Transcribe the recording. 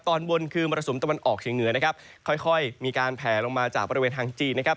ตอนบนคือมรสุมตะวันออกเฉียงเหนือค่อยมีการแผลลงมาจากบริเวณฮังจีน